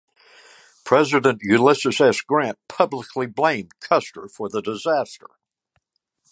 President Ulysses S. Grant publicly blamed Custer for the disaster.